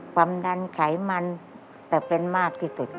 ความดันไขมันแต่เป็นมากที่สุด